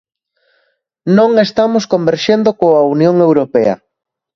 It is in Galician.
Non estamos converxendo coa Unión Europea.